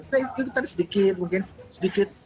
kita ikutan sedikit mungkin sedikit